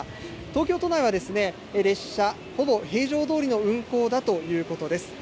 東京都内は、列車、ほぼ平常どおりの運行だということです。